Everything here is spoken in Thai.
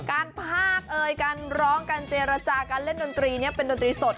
การพากเอยการร้องการเจรจาการเล่นดนตรีนี้เป็นดนตรีสด